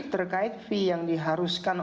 terkait fee yang diharuskan